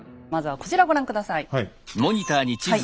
まずはこちらご覧下さい。